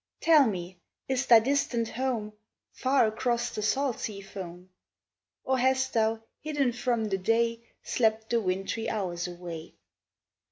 Tell me, is thy distant home Far across the salt sea foam? Or hast thou, hidden from the day, Slept the wintry hours away?